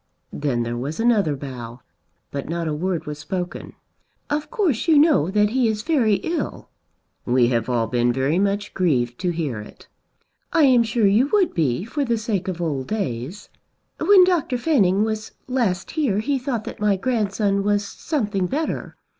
Then there was another bow, but not a word was spoken. "Of course you know that he is very ill." "We have all been very much grieved to hear it." "I am sure you would be, for the sake of old days. When Dr. Fanning was last here he thought that my grandson was something better.